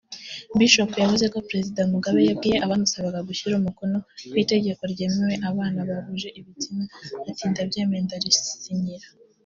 Bishop yavuze ko ‘Perezida Mugabe yabwiye abamusabaga gushyira umukono kwitegeko ryemerera ababana bahuje ibitsina ati “Ndabyemeye ndarisinya